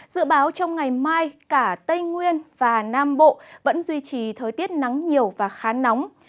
dự báo trong ngày mai cả tây nguyên và nam bộ vẫn duy trì thời tiết nắng nhiều và khá nóng